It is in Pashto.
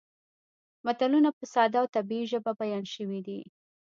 متلونه په ساده او طبیعي ژبه بیان شوي دي